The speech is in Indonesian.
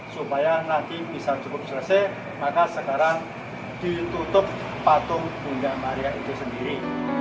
supaya nanti bisa cukup selesai maka sekarang ditutup patung bunda maria itu sendiri